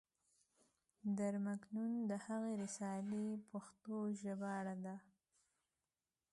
در مکنون د هغې رسالې پښتو ژباړه ده.